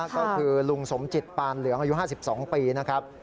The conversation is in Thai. ก็คือลุงสมจิตปานเหลืองอายุ๕๒ปีนะครับ